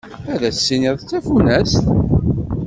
Ad s-tiniḍ d tafunast.